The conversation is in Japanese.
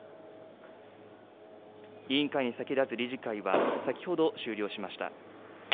委員会に先立つ理事会は、先ほど、終了しました。